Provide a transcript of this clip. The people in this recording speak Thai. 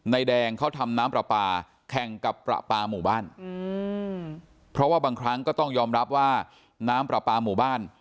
แดงเขาทำน้ำปลาปลาแข่งกับประปาหมู่บ้านเพราะว่าบางครั้งก็ต้องยอมรับว่าน้ำปลาปลาหมู่บ้าน